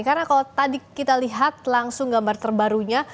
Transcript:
karena kalau tadi kita lihat langsung gambar terbarunya